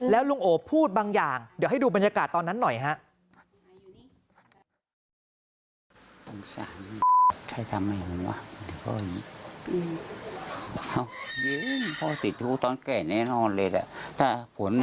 แล้วลุงโอพูดบางอย่างเดี๋ยวให้ดูบรรยากาศตอนนั้นหน่อยฮะ